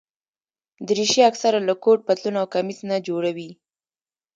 دریشي اکثره له کوټ، پتلون او کمیس نه جوړه وي.